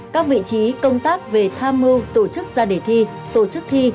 các vị trí công tác về tham mưu tổ chức ra để thi tổ chức thi